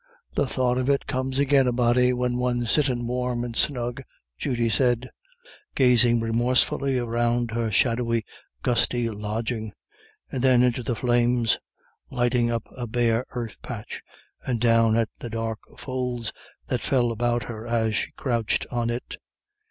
The thought of it comes agin a body when one's sittin' warm and snug," Judy said, gazing remorsefully round her shadowy, gusty lodging, and then into the flames, lighting up a bare earth patch, and down at the dark folds that fell about her as she crouched on it.